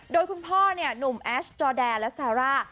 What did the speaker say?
โดยคุณพ่อเนี่ยหนุ่มแอชจอแดนและซาร่า